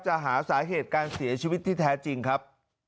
หาสาเหตุการเสียชีวิตที่แท้จริงครับ